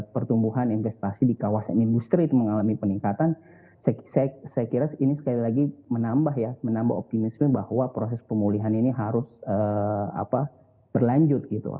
pertumbuhan investasi di kawasan industri mengalami peningkatan saya kira ini sekali lagi menambah ya menambah optimisme bahwa proses pemulihan ini harus berlanjut gitu